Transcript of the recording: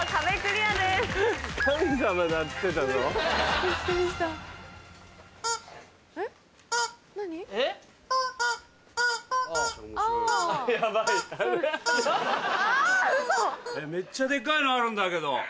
めっちゃデカいのあるんだけど。